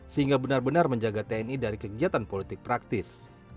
sehingga benar benar menjaga tni dari kegiatan politik praktis